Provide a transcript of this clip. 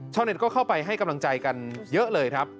เน็ตก็เข้าไปให้กำลังใจกันเยอะเลยครับ